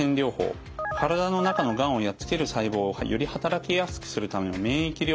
体の中のがんをやっつける細胞をより働きやすくするための免疫療法。